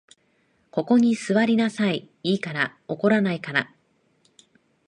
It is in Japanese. ここに坐りなさい、いいから。怒らないから。